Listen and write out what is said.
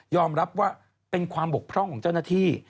รับว่าเป็นความบกพร่องของเจ้าหน้าที่